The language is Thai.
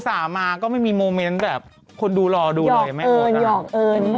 ไม่น่าจะมีอะไรแบบนั้นเนอะ